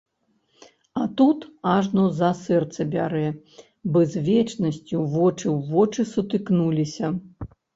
А тут ажно за сэрца бярэ, бы з вечнасцю вочы ў вочы сутыкнуліся.